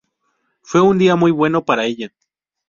Fue un día muy bueno para ella.